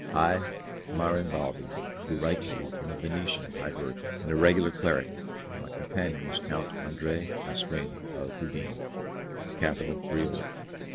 I, Marin Balbi, who write to you, am a Venetian of high birth, and a regular cleric, and my companion is Count Andre Asquin, of Udine, the capital of Friuli.